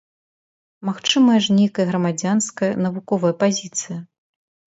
Магчымая ж нейкая грамадзянская, навуковая пазіцыя?